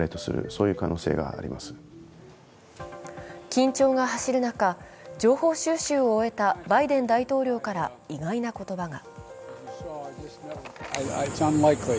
緊張が走る中、情報収集を終えたバイデン大統領から意外な言葉が。